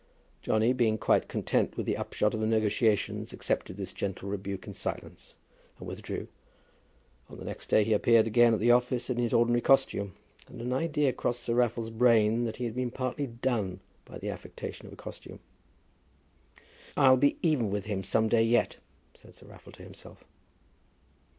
Johnny being quite content with the upshot of the negotiations accepted this gentle rebuke in silence, and withdrew. On the next day he appeared again at the office in his ordinary costume, and an idea crossed Sir Raffle's brain that he had been partly "done" by the affectation of a costume. "I'll be even with him some day yet," said Sir Raffle to himself.